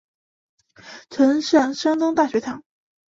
曾上山东大学堂。